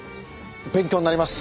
勉強になります。